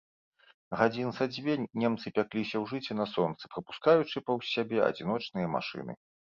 Гадзін са дзве немцы пякліся ў жыце на сонцы, прапускаючы паўз сябе адзіночныя машыны.